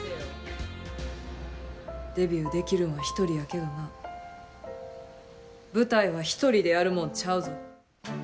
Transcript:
デビューできるのは一人やけどな舞台は一人でやるもんちゃうぞ。